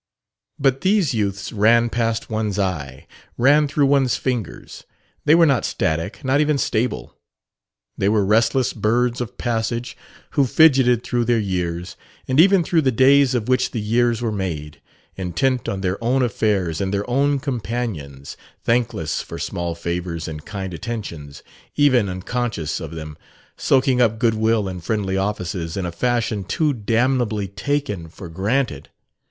But these youths ran past one's eye, ran through one's fingers. They were not static, not even stable. They were restless birds of passage who fidgeted through their years, and even through the days of which the years were made: intent on their own affairs and their own companions; thankless for small favors and kind attentions even unconscious of them; soaking up goodwill and friendly offices in a fashion too damnably taken for granted